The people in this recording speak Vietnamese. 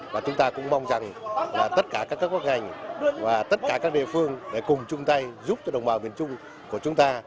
và chúng ta cũng mong rằng là tất cả các quốc hành và tất cả các địa phương để cùng chung tay giúp cho đồng bào miền trung của chúng ta